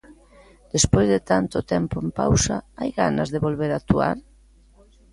Despois de tanto tempo en pausa, hai ganas de volver actuar?